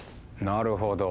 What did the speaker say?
なるほど。